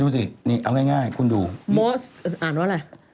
นี่นี่ทหารโบกนี่คือตำบวชทหาร